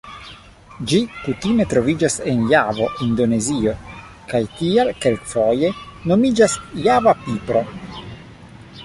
Ĝi kutime troviĝas en Javo Indonezio, kaj tial kelkfoje nomiĝas Java pipro.